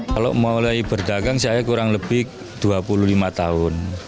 kalau mulai berdagang saya kurang lebih dua puluh lima tahun